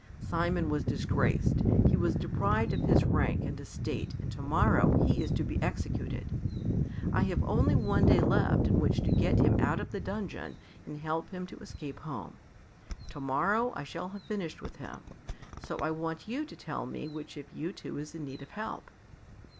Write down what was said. Simon was disgraced. He was deprived of his rank and estate and to morrow he is to be executed. I have only one day left in which to get him out of the dungeon and help him to escape home. To morrow I shall have finished with him, so I want you to tell me which of you two is in need of help."